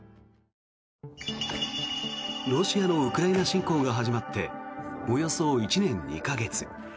ロシアのウクライナ侵攻が始まっておよそ１年２か月。